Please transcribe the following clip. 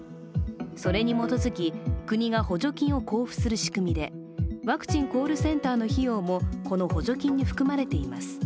それに基づき、国が補助金を交付する仕組みでワクチンコールセンターの費用もこの補助金に含まれています。